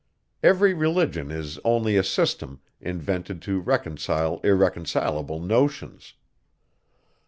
Every religion is only a system, invented to reconcile irreconcilable notions.